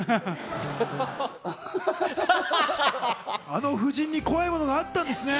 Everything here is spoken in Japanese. あの夫人に怖いものがあったんですね。